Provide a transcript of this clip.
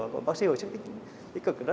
có loan thì ngày nào